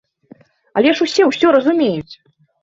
Але ж усе ўсё разумеюць!